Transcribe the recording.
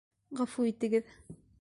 Ғәфү итегеҙ!